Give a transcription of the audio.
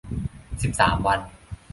สิบสาม วัน